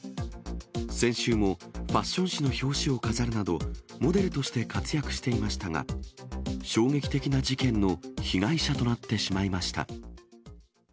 先週もファッション誌の表紙を飾るなど、モデルとして活躍していましたが、衝撃的な事件の被害者となってしまいました。